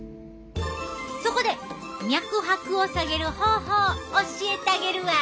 そこで脈拍を下げる方法を教えたげるわ。